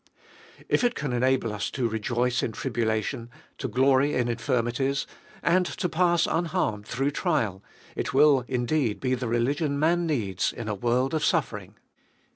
490 £be holiest of Hit If it can enable us to rejoice in tribulation, to glory in infirmities, and to pass unharmed through trial, it will indeed be the religion man needs in a world of suffering.